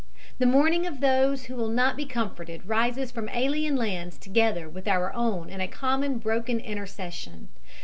The mourning of those who will not be comforted rises from alien lands together with our own in a common broken intercession.